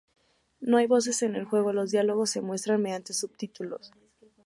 No hay voces en el juego; los diálogos se muestran mediante subtítulos.